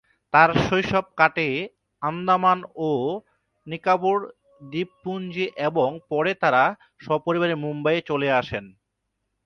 তার শৈশব কাটে আন্দামান ও নিকোবর দ্বীপপুঞ্জে এবং পরে তারা সপরিবারে মুম্বই চলে আসেন।